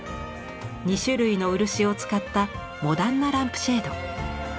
２種類の漆を使ったモダンなランプシェード。